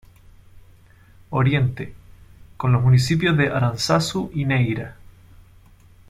Oriente: Con los municipios de Aranzazu y Neira.